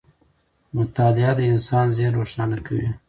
مطالعه د انسان ذهن روښانه کوي.